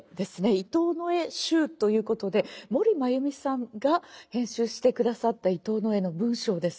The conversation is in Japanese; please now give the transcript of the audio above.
「伊藤野枝集」ということで森まゆみさんが編集して下さった伊藤野枝の文章です。